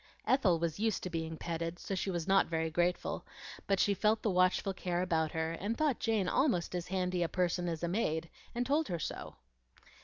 Ethel was used to being petted, so she was not very grateful; but she felt the watchful care about her, and thought Jane almost as handy a person as a maid, and told her so.